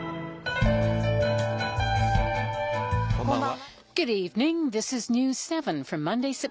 こんばんは。